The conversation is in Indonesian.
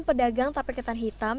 pedagang tape ketan hitam